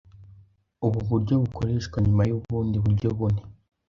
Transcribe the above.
ubu buryo bukoreshwa nyuma y’ubundi buryo bune